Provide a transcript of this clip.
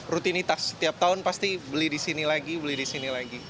rutinitas setiap tahun pasti beli di sini lagi beli di sini lagi